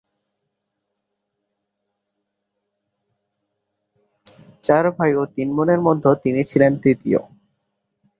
চার ভাই ও তিন বোনের মধ্যে তিনি ছিলেন তৃতীয়।